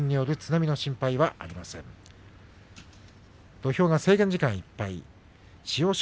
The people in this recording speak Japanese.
土俵は制限時間いっぱい千代翔